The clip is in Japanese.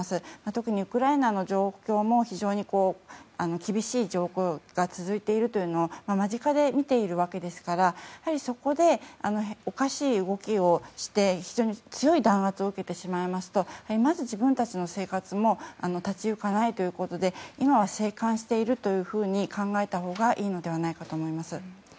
特にウクライナの状況も非常に厳しい状況が続いているというのを間近で見ているわけですからそこでおかしい動きをして非常に強い弾圧を受けてしまいますとまず自分たちの生活も立ち行かないということで今は静観していると考えたほうがいいのではないかと思います。